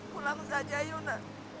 pulang saja yuk nek